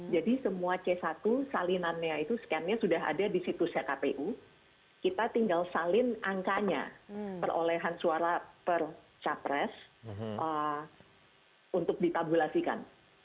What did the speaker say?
jadi semua c satu salinannya itu scannya sudah ada di situs ckpu kita tinggal salin angkanya perolehan suara per capres untuk ditabulasikan